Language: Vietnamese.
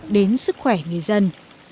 đến sức khỏe người dân